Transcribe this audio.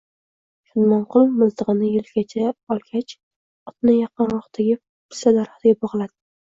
Shodmonqul miltig‘ini yelkaga olgach, otni yaqinroqdagi pista daraxtiga bog‘ladi